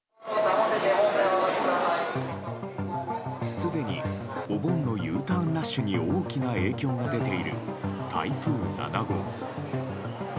すでにお盆のＵターンラッシュに大きな影響が出ている台風７号。